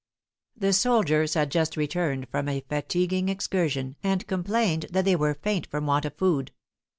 The soldiers had just returned from a fatiguing excursion, and complained that they were faint from want of food.